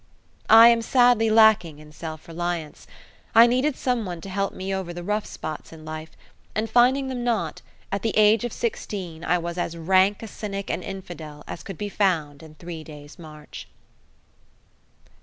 I am sadly lacking in self reliance. I needed some one to help me over the rough spots in life, and finding them not, at the age of sixteen I was as rank a cynic and infidel as could be found in three days' march.